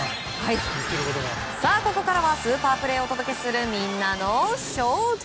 ここからはスーパープレーをお届けするみんなのＳＨＯＷＴＩＭＥ。